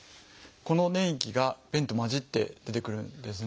この粘液が便と混じって出てくるんですね。